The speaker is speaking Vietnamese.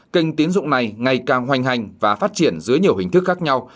kinh tiến dụng này ngày càng hoành hành và phát triển dưới nhiều hình thức khác nhau